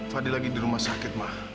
fadil lagi di rumah sakit mah